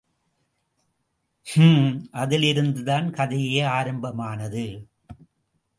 ஊஹூம் அதிலிருந்துதான் கதையே ஆரம்பமானது.